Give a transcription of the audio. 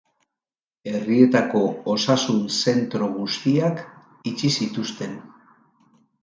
Herrietako osasun-zentro guztiak itxi zituzten.